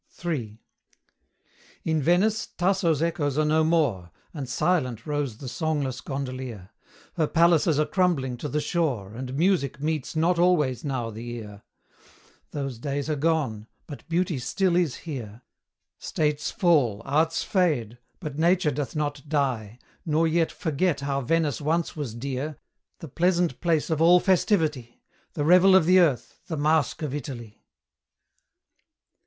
III. In Venice, Tasso's echoes are no more, And silent rows the songless gondolier; Her palaces are crumbling to the shore, And music meets not always now the ear: Those days are gone but beauty still is here. States fall, arts fade but Nature doth not die, Nor yet forget how Venice once was dear, The pleasant place of all festivity, The revel of the earth, the masque of Italy!